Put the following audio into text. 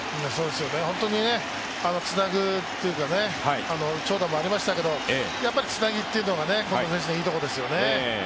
本当につなぐというか、長打もありましたけどやっぱりつなぎというのが近藤選手のいいところですよね。